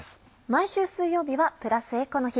毎週水曜日はプラスエコの日。